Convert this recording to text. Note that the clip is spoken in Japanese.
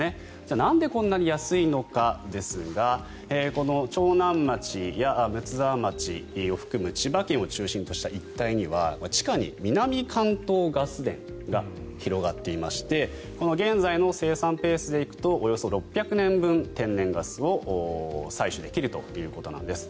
じゃあ、なんでこんなに安いのかですが長南町や睦沢町を含む千葉県を中心とした一帯には地下に南関東ガス田が広がっていましてこの現在の生産ペースで行くとおよそ６００年分天然ガスを採取できるということなんです。